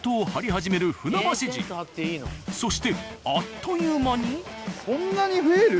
そしてあっという間に。